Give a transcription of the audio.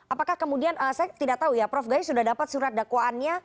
apakah kemudian saya tidak tahu ya prof gayus sudah dapat surat dakwaannya